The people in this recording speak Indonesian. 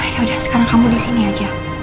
yaudah sekarang kamu di sini aja